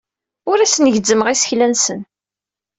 Ur asen-gezzmeɣ isekla-nsen.